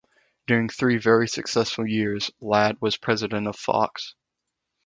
During three very successful years Ladd was President of Fox.